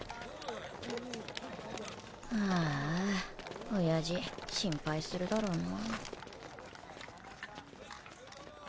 ああおやじ心配するだろうな。